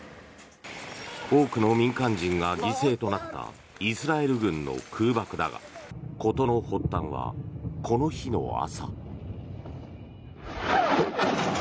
多くの民間人が犠牲となったイスラエル軍の空爆だが事の発端はこの日の朝。